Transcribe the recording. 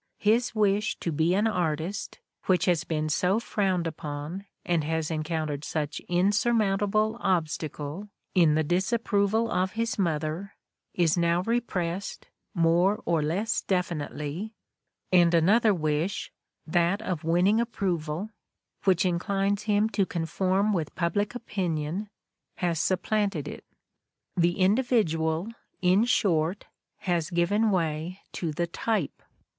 His "wish" to be an artist, which has been so frowned upon and has encountered such an insurmount able obstacle in the disapproval of his mother, is now repressed, more or less definitely, and another wish, that of winning approval, which inclines him to conform / with public opinion, has supplanted it. The individual, in short, has given way to the type.